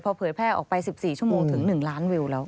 พอเผยแพร่ออกไป๑๔ชั่วโมงถึง๑ล้านวิวแล้ว